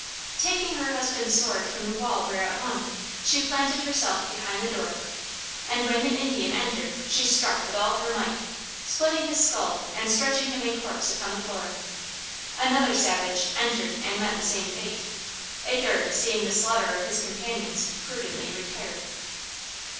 Taking her husband's sword from the wall where it hung, she planted herself behind the door; and when the Indian entered she struck with all her might, splitting his skull and stretching him a corpse upon the floor. Another savage entered and met the same fate. A third seeing the slaughter of his companions prudently retired.